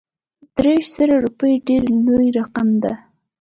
دېرش زره روپي ډېر لوی رقم دی.